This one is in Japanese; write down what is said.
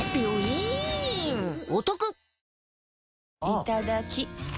いただきっ！